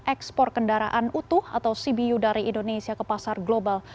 ekspor kendaraan utuh atau cbu dari indonesia ke pasar global